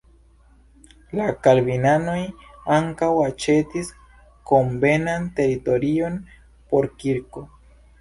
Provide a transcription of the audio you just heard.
La kalvinanoj ankaŭ aĉetis konvenan teritorion por kirko.